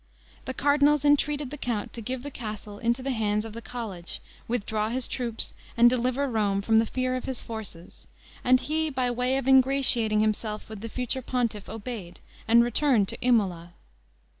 The cardinals entreated the count to give the castle into the hands of the college, withdraw his troops, and deliver Rome from the fear of his forces, and he, by way of ingratiating himself with the future pontiff obeyed, and retired to Imola.